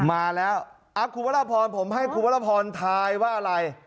มาแล้วคุณพระราพรผมให้คุณวรพรทายว่าอะไร